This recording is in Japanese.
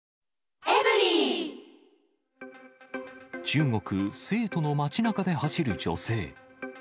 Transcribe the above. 中国・成都の街なかで走る女性。